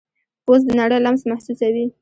پوست د نړۍ لمس محسوسوي.